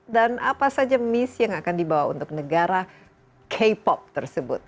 dan apa saja misi yang akan dibawa untuk negara k pop tersebut